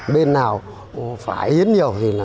bên nào phải hiến nhiều